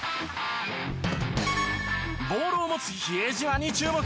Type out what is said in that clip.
ボールを持つ比江島に注目！